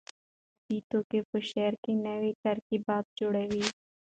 طبیعي توکي په شعر کې نوي ترکیبات جوړوي.